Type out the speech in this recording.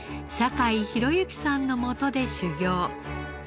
坂井宏行さんの下で修業。